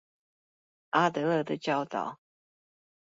阿德勒的教導